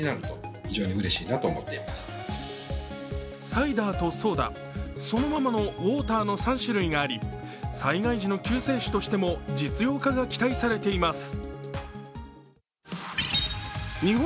サイダーとソーダ、そのままのウォーターの３種類があり、災害時の救世主としても実用化が期待されています。